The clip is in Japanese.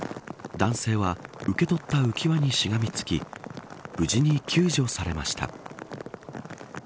男性は受け取った浮輪にしがみつき無事に救助されました。